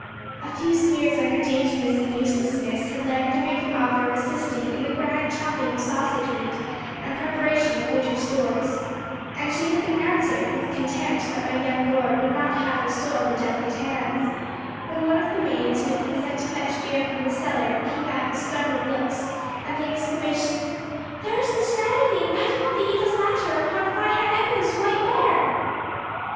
A few sneers on her daintiness and uselessness had led her to make an offer of assisting in the grand chopping of sausage meat and preparation of winter stores, and she had been answered with contempt that my young lord would not have her soil her delicate hands, when one of the maids who had been sent to fetch beer from the cellar came back with startled looks, and the exclamation, "There is the Schneiderlein riding up the Eagle's Ladder upon Freiherr Ebbo's white mare!"